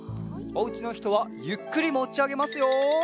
おうちのひとはゆっくりもちあげますよ。